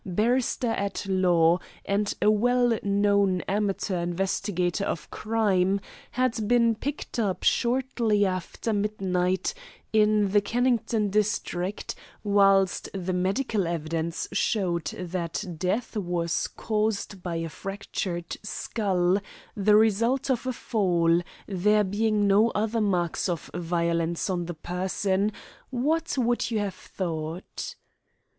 barrister at law, and a well known amateur investigator of crime, had been picked up shortly after midnight in the Kennington district, whilst the medical evidence showed that death was caused by a fractured skull, the result of a fall, there being no other marks of violence on the person, what would you have thought?"